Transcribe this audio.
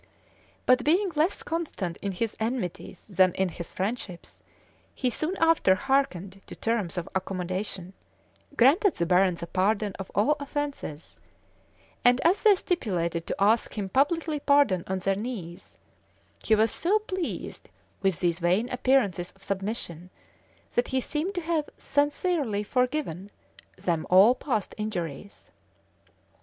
But being less constant in his enmities than in his friendships, he soon after hearkened to terms of accommodation; granted the barons a pardon of all offences; and as they stipulated to ask him publicly pardon on their knees,[] he was so pleased with these vain appearances of submission, that he seemed to have sincerely forgiven them all past injuries.